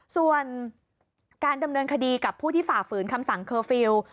ส่วนการดำเนินคดีกับผู้ที่ฝ่าฝืนคำสั่งเคอร์ฟิลล์